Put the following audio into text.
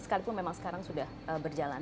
sekalipun memang sekarang sudah berjalan